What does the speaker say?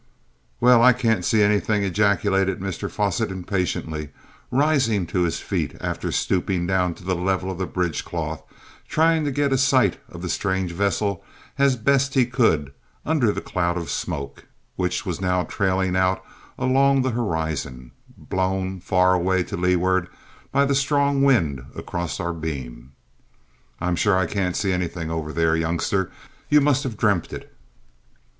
"Well, I can't see anything!" ejaculated Mr Fosset impatiently, rising to his feet after stooping down to the level of the bridge cloth, trying to get a sight of the strange vessel as best he could under the cloud of smoke, which was now trailing out along the horizon, blown far away to leeward by the strong wind across our beam. "I'm sure I can't see anything over there, youngster; you must have dreamt it!"